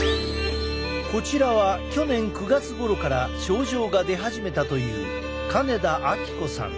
こちらは去年９月ごろから症状が出始めたという金田明子さん